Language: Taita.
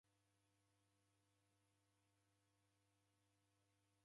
Uji wasia samosinyi.